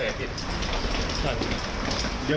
เขียนข่าวเกินครับ